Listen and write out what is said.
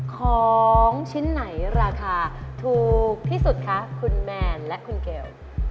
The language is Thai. ของชิ้นไหนราคาถูกที่สุดคะคุณแมนและคุณเกล